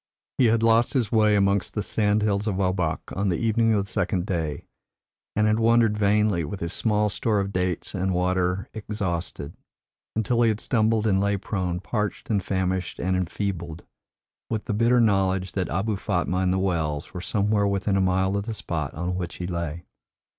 He had lost his way amongst the sandhills of Obak on the evening of the second day, and had wandered vainly, with his small store of dates and water exhausted, until he had stumbled and lay prone, parched and famished and enfeebled, with the bitter knowledge that Abou Fatma and the Wells were somewhere within a mile of the spot on which he lay.